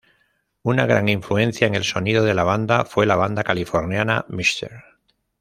Una gran influencia en el sonido de la banda fue la banda californiana, Mr.